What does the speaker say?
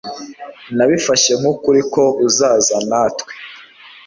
Nabifashe nkukuri ko uzaza natwe